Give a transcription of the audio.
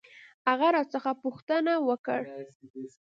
هغه راڅخه پوښتنه وکړ.